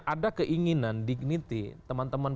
ada keinginan dignity teman teman